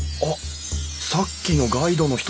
さっきのガイドの人だ！